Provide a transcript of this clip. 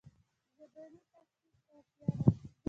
ژبني تحقیق ته اړتیا ده.